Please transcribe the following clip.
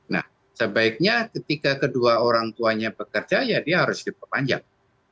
nah sebaiknya ketika kedua orang tuanya bekerja ya dia harus diperpanjang